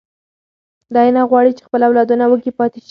دی نه غواړي چې خپل اولادونه وږي پاتې شي.